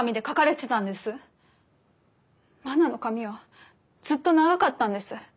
真菜の髪はずっと長かったんです。